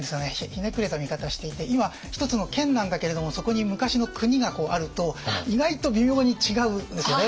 ひねくれた見方していて今一つの県なんだけれどもそこに昔の国があると意外と微妙に違うんですよね。